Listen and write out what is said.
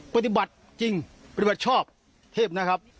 ปฏิบัติจริงปฏิบัติชอบเทพนะครับ